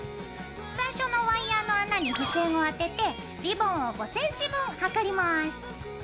最初のワイヤーの穴に付箋をあててリボンを５ｃｍ分はかります。